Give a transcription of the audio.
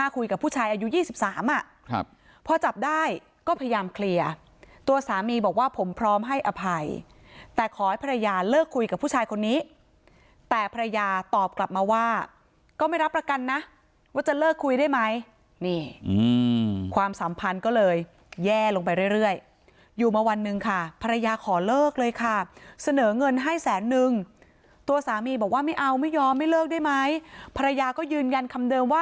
คุยกับผู้ชายอายุ๒๓อ่ะพอจับได้ก็พยายามเคลียร์ตัวสามีบอกว่าผมพร้อมให้อภัยแต่ขอให้ภรรยาเลิกคุยกับผู้ชายคนนี้แต่ภรรยาตอบกลับมาว่าก็ไม่รับประกันนะว่าจะเลิกคุยได้ไหมนี่ความสัมพันธ์ก็เลยแย่ลงไปเรื่อยอยู่มาวันหนึ่งค่ะภรรยาขอเลิกเลยค่ะเสนอเงินให้แสนนึงตัวสามีบอกว่าไม่เอาไม่ยอมไม่เลิกได้ไหมภรรยาก็ยืนยันคำเดิมว่า